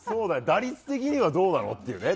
打率的にはどうなのっていうね。